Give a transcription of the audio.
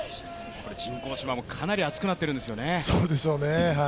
これ人工芝もかなり熱くなっているんですよね。